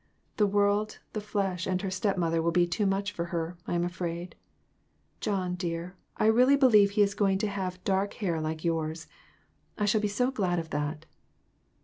The world, the flesh, and her step mother will be too much for her, I am afraid. John, dear, I really believe he is going to have dark hair like yours. I shall be so glad of that."